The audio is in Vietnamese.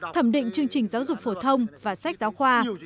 thẩm định chương trình giáo dục phổ thông và sách giáo khoa